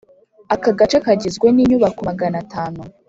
Akaga gace kagizwe ninyubako Magana tanu